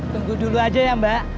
tunggu dulu aja ya mbak